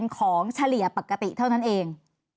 ของเฉลี่ยปกติเท่านั้นเอง